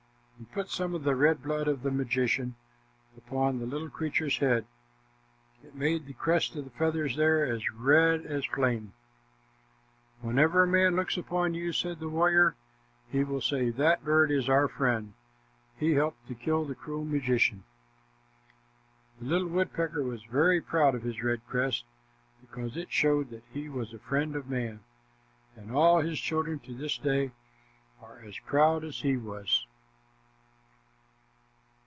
He put some of the red blood of the magician upon the little creature's head. It made the crest of feathers there as red as flame. "Whenever a man looks upon you," said the warrior, "he will say, 'That bird is our friend. He helped to kill the cruel magician.'" The little woodpecker was very proud of his red crest because it showed that he was the friend of man, and all his children to this day are as proud as he was.